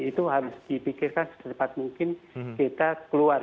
itu harus dipikirkan secepat mungkin kita keluar